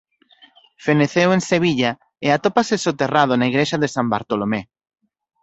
Feneceu en Sevilla e atópase soterrado na igrexa de San Bartolomé.